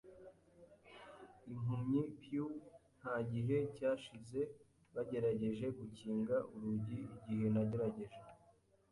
impumyi, Pew. “Nta gihe cyashize - bagerageje gukinga urugi igihe nagerageje